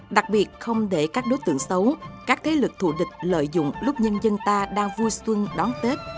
đặc biệt không để các đối tượng xấu các thế lực thù địch lợi dụng lúc nhân dân ta đang vui xuân đón tết